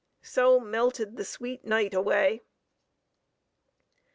So melted the sweet night away.